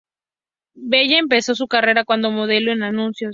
Bella empezó su carrera cuando modelo en anuncios.